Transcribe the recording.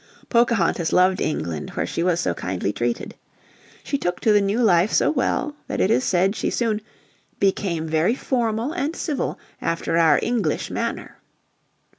Pocahontas loved England where she was so kindly treated. She took to the new life so well that it is said she soon "became very formal and civil after our English manner."